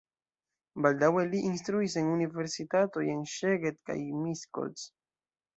Baldaŭe li instruis en universitatoj en Szeged kaj Miskolc.